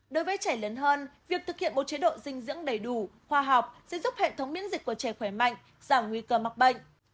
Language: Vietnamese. đối với trẻ lớn hơn việc thực hiện một chế độ dinh dưỡng đầy đủ khoa học sẽ giúp hệ thống miễn dịch của trẻ khỏe mạnh giảm nguy cơ mắc bệnh